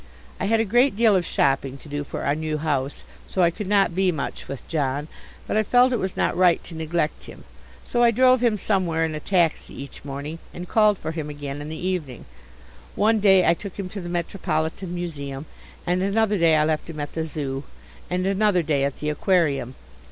I had a great deal of shopping to do for our new house, so I could not be much with John, but I felt it was not right to neglect him, so I drove him somewhere in a taxi each morning and called for him again in the evening. One day I took him to the Metropolitan Museum, and another day I left him at the Zoo, and another day at the aquarium.